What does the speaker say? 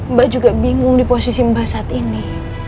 mbak juga bingung di posisi mbak saat ini